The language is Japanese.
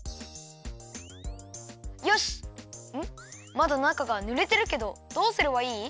まだ中がぬれてるけどどうすればいい？